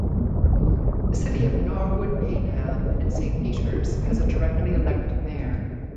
The City of Norwood Payneham and Saint Peters has a directly-elected mayor.